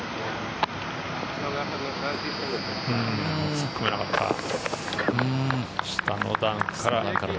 突っ込めなかった。